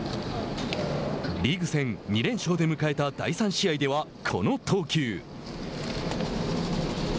リーグ戦、２連勝で迎えた第３試合では、この投球。